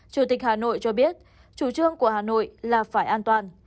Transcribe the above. chủ tịch hà nội cho biết chủ trương của hà nội là phải an toàn